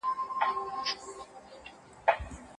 عزتمن ژوند د هر مسلمان اساسي حق دی.